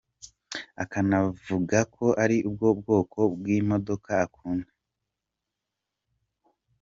Akanavuga ko ari bwo bwoko bw’imodoka akunda.